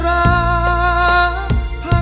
ไม่ใช้